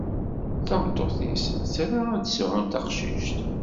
Tameṭṭut-is tra ad d-sεun taqcict.